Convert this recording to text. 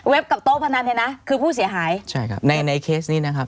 กับโต๊ะพนันเนี่ยนะคือผู้เสียหายใช่ครับในในเคสนี้นะครับ